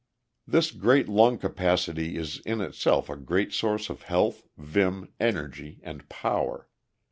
This great lung capacity is in itself a great source of health, vim, energy, and power.